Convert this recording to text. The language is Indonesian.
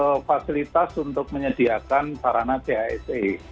untuk fasilitas untuk menyediakan sarana cisi